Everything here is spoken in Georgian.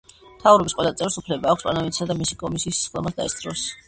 მთავრობის ყოველ წევრს უფლება აქვს პარლამენტისა და მისი კომისიის სხდომას დაესწროს.